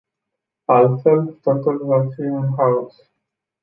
Altfel, totul va fi un haos.